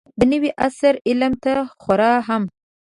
د نوي عصر علم ته خوار هم